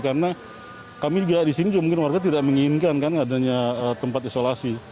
karena kami di sini juga mungkin warga tidak menginginkan kan adanya tempat isolasi